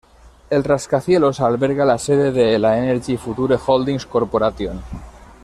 El rascacielos alberga la sede de la Energy Future Holdings Corporation.